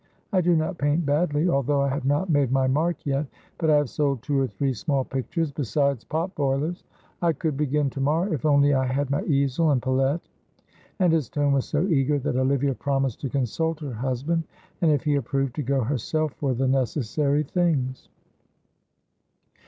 I do not paint badly, although I have not made my mark yet, but I have sold two or three small pictures besides pot boilers. I could begin to morrow if only I had my easel and palette," and his tone was so eager, that Olivia promised to consult her husband, and, if he approved, to go herself for the necessary things.